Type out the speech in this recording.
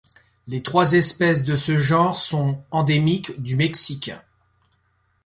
Les trois espèces de ce genre sont endémiques du Mexique.